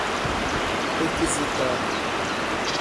requisitar